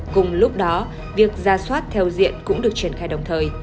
cùng lúc đó việc ra soát theo diện cũng được triển khai đồng thời